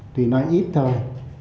tuy nói ít thôi